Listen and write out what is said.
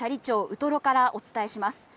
ウトロからお伝えします。